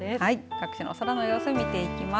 各地の空の様子を見ていきます。